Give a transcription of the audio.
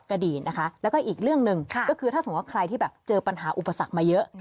ก็ดีนะคะแล้วก็อีกเรื่องหนึ่งก็คือถ้าสมมุติว่าใครที่แบบเจอปัญหาอุปสรรคมาเยอะ